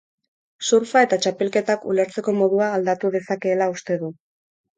Surfa eta txapelketak ulertzeko modua aldatu dezakeela uste du.